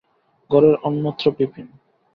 ঘরের অন্যত্র বিপিন।